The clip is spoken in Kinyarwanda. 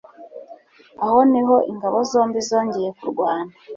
Aho niho ingabo zombi zongeye kurwana.